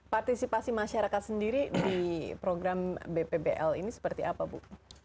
partisipasi masyarakat sendiri di program bpbl ini seperti apa bu